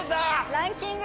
ランキング